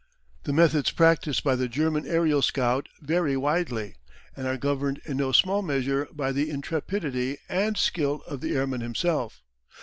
The methods practised by the German aerial scout vary widely, and are governed in no small measure by the intrepidity and skill of the airman himself.